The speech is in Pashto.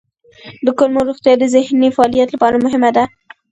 د کولمو روغتیا د ذهني فعالیت لپاره مهمه ده.